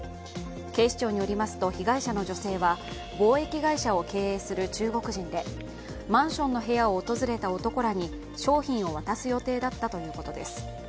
警視庁によりますと被害者の女性は貿易会社を経営する中国人でマンションの部屋を訪れた男らに商品を渡す予定だったということです。